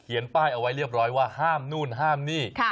ป้ายเอาไว้เรียบร้อยว่าห้ามนู่นห้ามนี่